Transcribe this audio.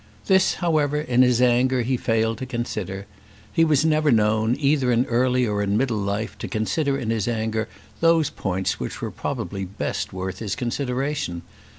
This, however, in his anger he failed to consider; he was never known, either in early or in middle life, to consider in his anger those points which were probably best worth his consideration.